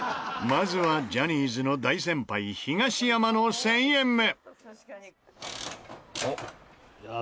まずはジャニーズの大先輩東山の１０００円目。